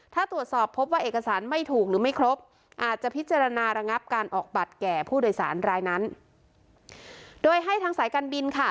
ถ้าตรวจสอบพบว่าเอกสารไม่ถูกหรือไม่ครบอาจจะพิจารณาระงับการออกบัตรแก่ผู้โดยสารรายนั้นโดยให้ทางสายการบินค่ะ